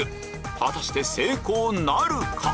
果たして成功なるか？